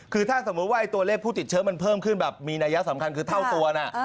คือถ้าสมมุติว่าตัวเลขผู้ติดเชื้อมันเพิ่มขึ้นแบบมีนัยสำคัญคือเท่าตัวนะ